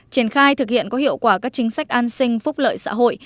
triển khai thực hiện có hiệu quả các chính sách an sinh phúc lợi xã hội